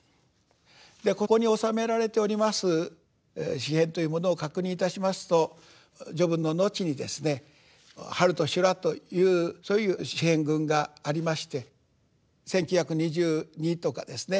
でここに収められております詩編というものを確認いたしますと序文の後にですね「春と修羅」という詩編群がありまして「一九二二」とかですね